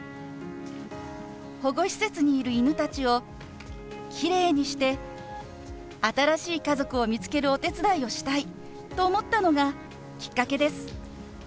保護施設にいる犬たちをきれいにして新しい家族を見つけるお手伝いをしたいと思ったのがきっかけです。